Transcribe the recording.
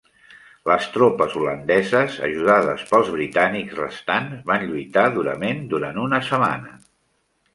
Les tropes holandeses, ajudades pels britànics restants, van lluitar durament durant una setmana.